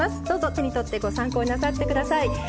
どうぞ手に取ってご参考になさってください。